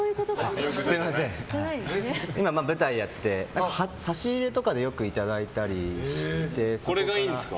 今、舞台をやっていて差し入れとかでよくいただいたりして。